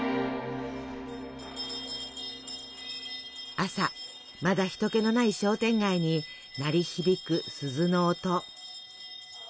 朝まだ人けのない商店街に鳴り響く鈴の音。